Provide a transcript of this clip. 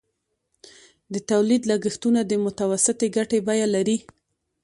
د تولید لګښتونه د متوسطې ګټې بیه لري